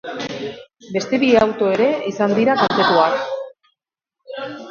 Beste bi auto ere izan dira kaltetuak.